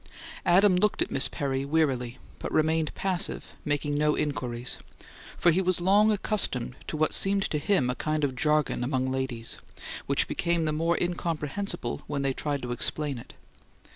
Adams looked at Miss Perry wearily, but remained passive, making no inquiries; for he was long accustomed to what seemed to him a kind of jargon among ladies, which became the more incomprehensible when they tried to explain it.